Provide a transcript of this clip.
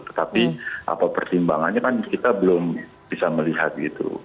tetapi apa pertimbangannya kan kita belum bisa melihat gitu